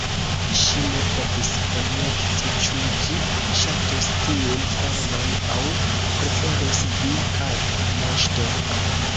Ŝi ne povis konjekti ĉu ĝi ŝatus tiun formon, aŭ preferus "Via kata moŝto."